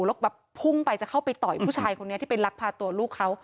แล้วแบบพุ่งไปจะเข้าไปต่อยผู้ชายคนนี้ที่ไปลักพาตัวลูกเขา